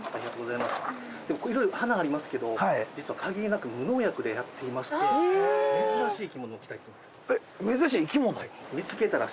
いろいろ花がありますけど実は限りなく無農薬でやっていまして珍しい生き物が来たりとかえっ「珍しい生き物」？